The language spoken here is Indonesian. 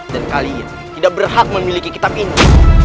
dan kalian tidak berhak memiliki kitab ini